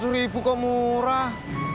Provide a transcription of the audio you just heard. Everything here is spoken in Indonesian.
rp empat ratus kok murah